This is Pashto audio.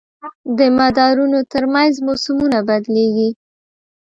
د مدارونو تر منځ موسمونه بدلېږي.